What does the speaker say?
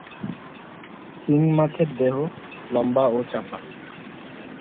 শিং মাছের দেহ লম্বা ও চাপা।